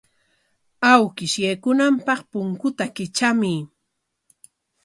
Awkish yaykunanpaq punkuta kitramuy.